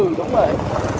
ừ đúng rồi